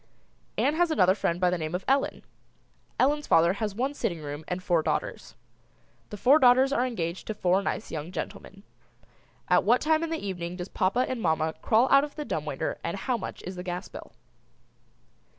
Ann has another friend by the name of Ellen. Ellen's father has one sitting room and four daughters. The four daughters are engaged to four nice young gentlemen. At what time in the evening does papa and mamma crawl out of the dumb waiter and how much is the gas bill?